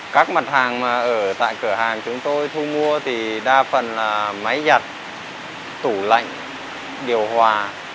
các mặt hàng mà ở tại cửa hàng chúng tôi thu mua thì đa phần là máy giặt tủ lạnh điều hòa